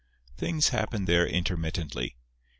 Things happen there intermittently.